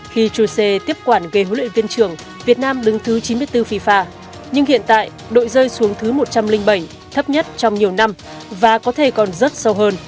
khi chuse tiếp quản gây huấn luyện viên trưởng việt nam đứng thứ chín mươi bốn fifa nhưng hiện tại đội rơi xuống thứ một trăm linh bảy thấp nhất trong nhiều năm và có thể còn rất sâu hơn